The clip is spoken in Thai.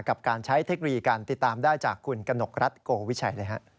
กับการใช้เทคโนโลยีการติดตามได้จากคุณกนกรัฐโกวิชัยเลยฮะ